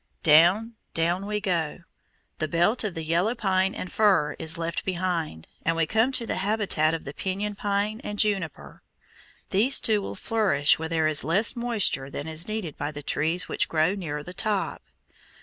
Down, down we go. The belt of the yellow pine and fir is left behind, and we come to the habitat of the piñon pine and juniper. These two will flourish where there is less moisture than is needed by the trees which grow nearer the top.